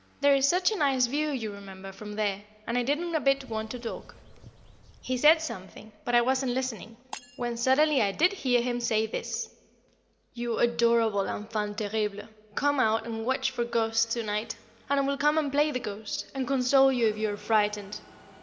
There is such a nice view, you remember, from there, and I didn't a bit want to talk. [Sidenote: A Kiss and a Blow] He said something, but I wasn't listening, when suddenly I did hear him say this: "You adorable enfant terrible, come out and watch for ghosts to night; and I will come and play the ghost, and console you if you are frightened!"